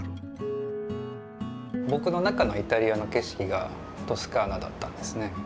僕の中のイタリアの景色がトスカーナだったんですね。